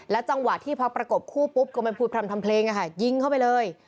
จังหวะที่พอประกบคู่ปุ๊บก็ไม่พูดพร่ำทำเพลงยิงเข้าไปเลย